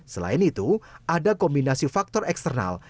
selain itu ada kombinasi faktor eksternal